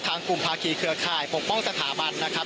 กลุ่มภาคีเครือข่ายปกป้องสถาบันนะครับ